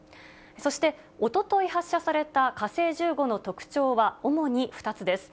そして、おととい発射された火星１５の特徴は、主に２つです。